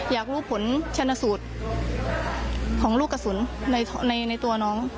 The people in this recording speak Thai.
อยากรู้ผลชนสูตรของลูกกระสุนในตัวน้อง